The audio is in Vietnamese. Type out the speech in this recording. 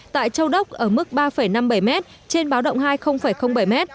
tại châu đốc ở mức ba năm mươi bảy m trên báo động hai bảy m